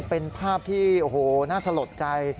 เป็นภาพที่น่าสลดใจ